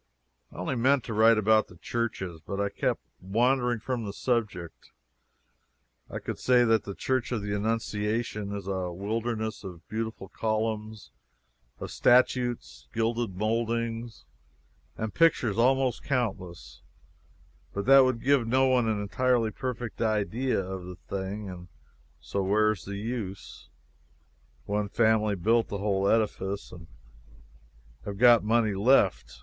I only meant to write about the churches, but I keep wandering from the subject. I could say that the Church of the Annunciation is a wilderness of beautiful columns, of statues, gilded moldings, and pictures almost countless, but that would give no one an entirely perfect idea of the thing, and so where is the use? One family built the whole edifice, and have got money left.